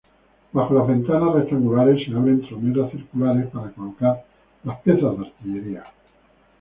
Bajo las ventanas rectangulares se abren troneras circulares para colocar las piezas de artillería.